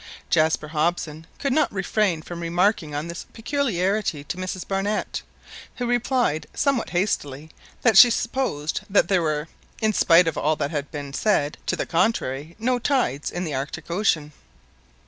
Jaspar Hobson could not refrain from remarking on this peculiarity to Mrs Barnett, who replied somewhat hastily that she supposed that there were in spite of all that had been said to the contrary no tides in the Arctic Ocean.